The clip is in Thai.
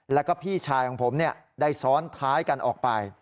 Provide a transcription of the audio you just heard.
แล้วก็พี่ชายของผมได้ซ้อนท้ายกันออกไป